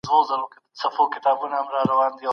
حقیقت موندل یوه سخته وظیفه ده.